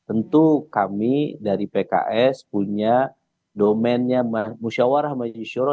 tentu kami dari pks punya domennya nusyawarah majidishuro